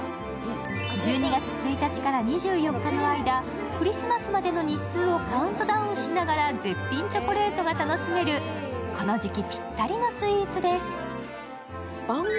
１２月１日から２４日までの間、クリスマスの日数をカウントダウンしながら絶品チョコレートが楽しめる、この時期ぴったりのスイーツです。